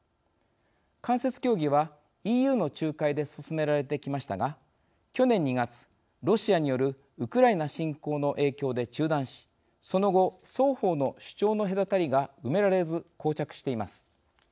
間接協議は、ＥＵの仲介で進められてきましたが去年２月、ロシアによるウクライナ侵攻の影響で中断しその後、双方の主張の隔たりが埋められず、こう着しています。